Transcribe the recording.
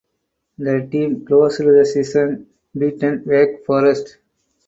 The team closed the season beating Wake Forest.